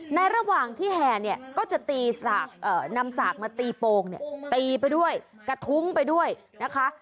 ในระหว่างที่แหนก็จะนำสากมาตีโปรงตีไปด้วยกระทุ้งไปด้วยนะคะ